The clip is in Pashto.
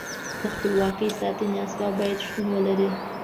د خپلواکۍ ساتنې اسباب باید شتون ولري.